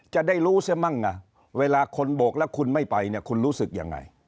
จะได้รู้สิมั่งเวลาคนบกแล้วคุณไม่ไปคุณรู้สึกอย่างไร